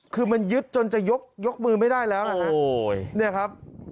คือมันยึดจนจะยกมือไม่ได้แล้วนะครับ